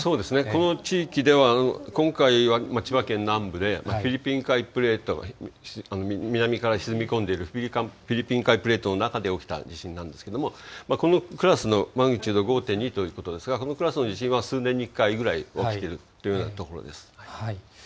この地域では、今回は千葉県南部で、フィリピン海プレートが、南から沈み込んでいるフィリピン海プレートの中で起きた地震なんですけれども、このクラスのマグニチュード５．２ということですが、そのクラスの地震は数年に１回ぐらい起きているというようなところです。